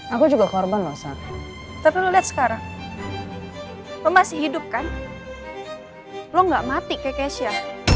aku juga korban lo tapi lo lihat sekarang masih hidupkan lo nggak mati kekes ya